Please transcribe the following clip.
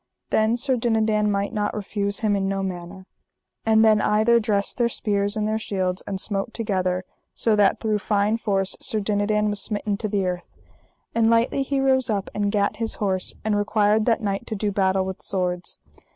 Then Sir Dinadan might not refuse him in no manner. And then either dressed their spears and their shields, and smote together, so that through fine force Sir Dinadan was smitten to the earth; and lightly he rose up and gat his horse, and required that knight to do battle with swords.